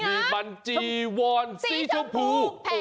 มีมันจีวอนสีชมพู